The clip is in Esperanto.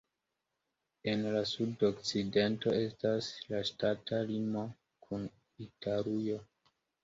En la sudokcidento estas la ŝtata limo kun Italujo.